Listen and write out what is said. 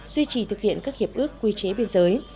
duy trì thực hiện các hiệp ước quy chế biên giới